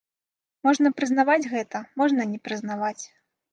Можна прызнаваць гэта, можна не прызнаваць.